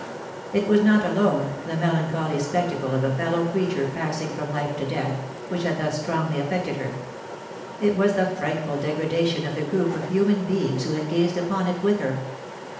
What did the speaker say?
It was not alone, the melancholy spectacle of a fellow creature passing from life to death, which had thus strongly affected her — it was the frightful degradation of the group of human beings who had gazed upon it with her.